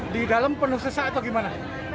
di dalam penuh sesak atau gimana